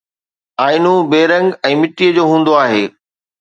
آئينو بي رنگ ۽ مٽيءَ جو هوندو آهي